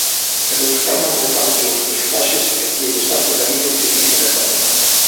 Pero gustábanme tanto os personaxes e tíñalles tanto cariño que quixen refacela.